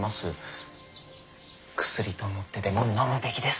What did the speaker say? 薬と思ってでも飲むべきです。